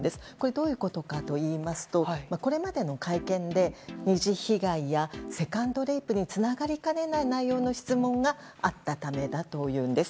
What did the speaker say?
どういうことかといいますとこれまでの会見で２次被害やセカンドレイプにつながりかねない内容の質問があったためだというんです。